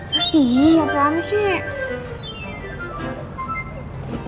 pasti apaan sih